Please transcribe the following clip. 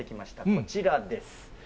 こちらです。